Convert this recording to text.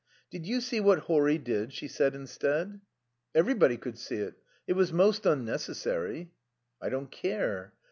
"Did you see what Horry did?" she said instead. "Everybody could see it. It was most unnecessary." "I don't care.